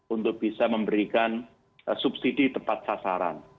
untuk bisa memberikan subsidi tepat sasaran